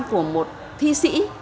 của một thi sĩ